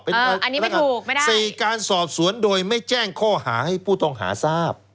อันนี้ไม่ถูกไม่ได้๔การสอบสวนโดยไม่แจ้งข้อหาให้ผู้ต้องหาทราบ